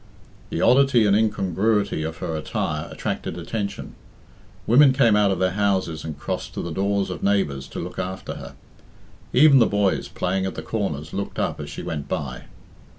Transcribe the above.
The oddity and incongruity of her attire attracted attention. Women came out of their houses and crossed to the doors of neighbours to look after her. Even the boys playing at the corners looked up as she went by.